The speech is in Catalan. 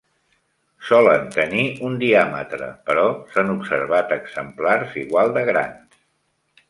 Solen tenir un diàmetre, però s'han observat exemplars igual de grans.